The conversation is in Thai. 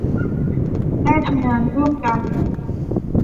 ได้ทำงานร่วมกัน